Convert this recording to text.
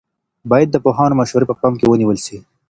باید د پوهانو مشورې په پام کې ونیول سي.